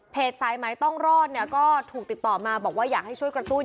สายไหมต้องรอดเนี่ยก็ถูกติดต่อมาบอกว่าอยากให้ช่วยกระตุ้น